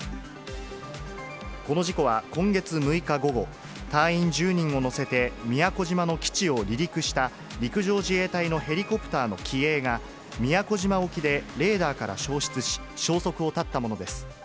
この事故は今月６日午後、隊員１０人を乗せて宮古島の基地を離陸した、陸上自衛隊のヘリコプターの機影が宮古島沖でレーダーから消失し、消息を絶ったものです。